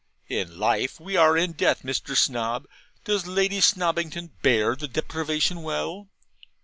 In life we are in death, Mr. Snob. Does Lady Snobbington bear the deprivation well?'